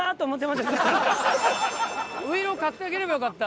ういろう買ってあげればよかった。